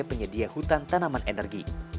penyedia hutan tanaman energi